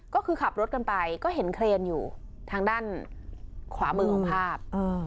ก็คือขับรถกันไปก็เห็นเครนอยู่ทางด้านขวามือของภาพ